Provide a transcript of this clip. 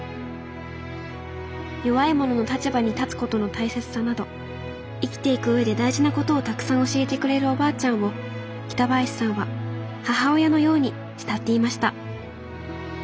弱い者の立場に立つことの大切さなど生きていく上で大事なことをたくさん教えてくれるおばあちゃんを北林さんは母親のように慕っていました。